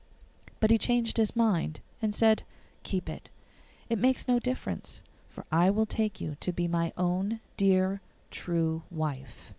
But he changed his mind, and said, 'Keep it; it makes no difference, for I will take you to be my own dear true wife.